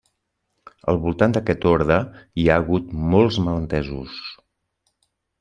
Al voltant d'aquest orde hi ha hagut molts malentesos.